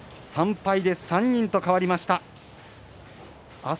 ３敗で３人と変わりました。